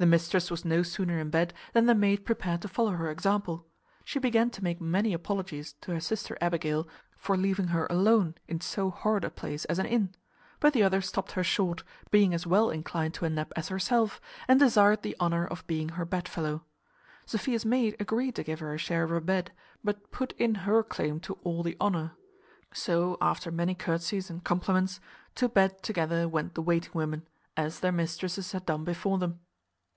The mistress was no sooner in bed than the maid prepared to follow her example. She began to make many apologies to her sister Abigail for leaving her alone in so horrid a place as an inn; but the other stopt her short, being as well inclined to a nap as herself, and desired the honour of being her bedfellow. Sophia's maid agreed to give her a share of her bed, but put in her claim to all the honour. So, after many courtsies and compliments, to bed together went the waiting women, as their mistresses had done before them.